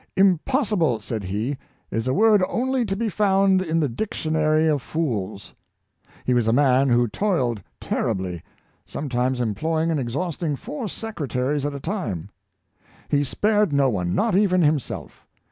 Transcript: " Impossible," said he, " is a word only to be found in the dictionary of fools." He was a man who toiled terribly; so \. 'mes employing and exhausting 278 Wellington four secretaries at a time. He spared no one, not even himself.